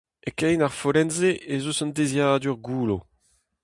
E kein ar follenn-se ez eus un deiziadur goullo.